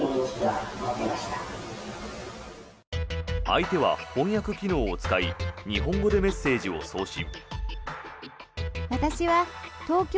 相手は翻訳機能を使い日本語でメッセージを送信。